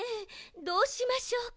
どうしましょうかしら？